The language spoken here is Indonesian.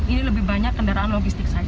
ini lebih banyak kendaraan logistik saja